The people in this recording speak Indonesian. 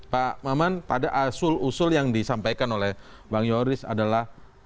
pak maman tadi asul usul yang disampaikan oleh bang yoris adalah